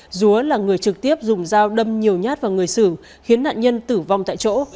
hờ a dúa là người trực tiếp dùng dao đâm nhiều nhát vào người xử khiến nạn nhân tử vong tại chỗ